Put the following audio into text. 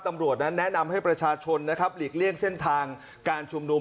ตำรวจนั้นแนะนำให้ประชาชนนะครับหลีกเลี่ยงเส้นทางการชุมนุม